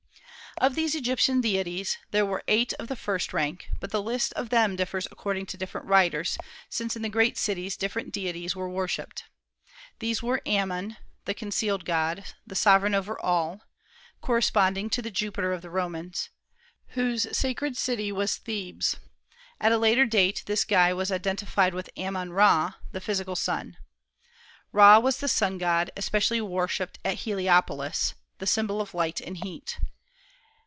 Of these Egyptian deities there were eight of the first rank; but the list of them differs according to different writers, since in the great cities different deities were worshipped. These were Ammon the concealed god, the sovereign over all (corresponding to the Jupiter of the Romans), whose sacred city was Thebes. At a later date this god was identified with Ammon Ra, the physical sun. Ra was the sun god, especially worshipped at Heliopolis, the symbol of light and heat.